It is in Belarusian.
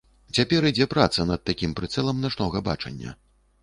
Цяпер ідзе праца над такім прыцэлам начнога бачання.